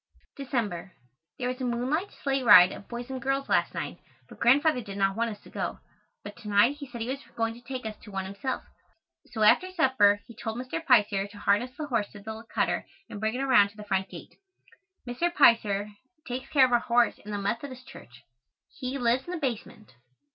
December. There was a moonlight sleigh ride of boys and girls last night, but Grandfather did not want us to go, but to night he said he was going to take us to one himself. So after supper he told Mr. Piser to harness the horse to the cutter and bring it around to the front gate. Mr. Piser takes care of our horse and the Methodist Church. He lives in the basement.